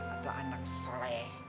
atau anak seleh